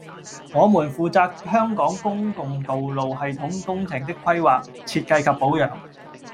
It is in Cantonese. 我們負責香港公共道路系統工程的規劃、設計及保養